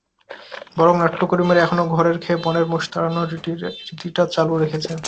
বরং নাট্যকর্মীরা এখনো ঘরের খেয়ে বনের মোষ তাড়ানোর রীতিটা চালু রেখেছেন।